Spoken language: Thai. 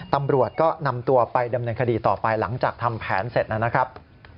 ตำรวจก็นำตัวไปดำเนินคดีต่อไปหลังจากทำแผนเสร็จนะครับ